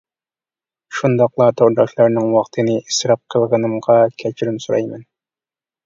شۇنداقلا تورداشلارنىڭ ۋاقتىنى ئىسراپ قىلغىنىمغا كەچۈرۈم سورايمەن!